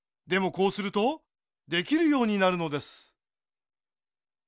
こうするとできるようになるのです。